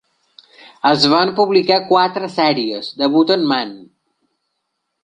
Es van publicar quatre sèries de "Button Man".